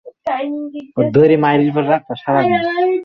দেখো খসে পরা তারা।